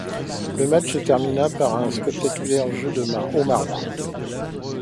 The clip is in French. Le match se termina sur un spectaculaire jeu au marbre.